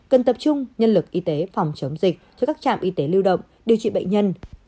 cần tập trung nhân lực y tế phòng chống dịch cho các trạm y tế lưu động điều trị bệnh nhân